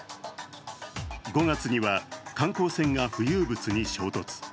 ５月には観光船が浮遊物に衝突。